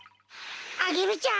アゲルちゃん